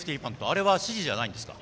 あれは指示じゃないんですか。